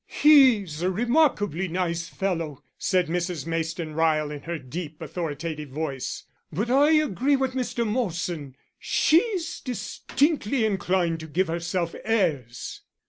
"He's a remarkably nice fellow," said Mrs. Mayston Ryle in her deep, authoritative voice; "but I agree with Mr. Molson, she's distinctly inclined to give herself airs."